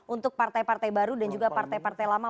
untuk partai partai baru dan juga partai partai lama